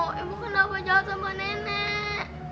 ibu ibu kenapa jahat sama nenek